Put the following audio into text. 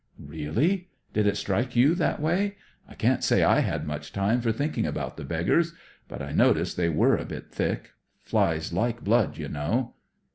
" Really ? Did it strike you that way ? I can't say I had much time for thinking about the beggars. But I noticed they were a bit thick. Flies hke blood, you know."